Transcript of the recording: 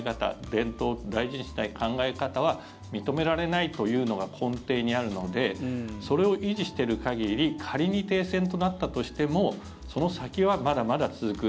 伝統を大事にしたい考え方は認められないというのが根底にあるのでそれを維持している限り仮に停戦となったとしてもその先はまだまだ続く。